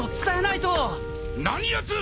何やつ！